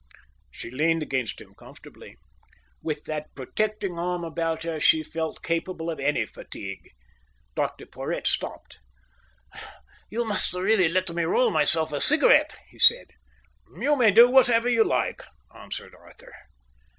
She leaned against him comfortably. With that protecting arm about her, she felt capable of any fatigue. Dr Porhoët stopped. "You must really let me roll myself a cigarette," he said. "You may do whatever you like," answered Arthur.